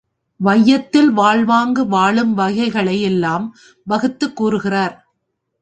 வையத்தில் வாழ்வாங்கு வாழும் வகைகளை எல்லாம் வகுத்துக் கூறுகிறார்.